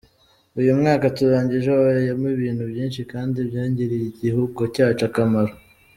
Uyu mwaka turangije, wabayemo ibintu byinshi kandi byagiriye Igihugu cyacu akamaro.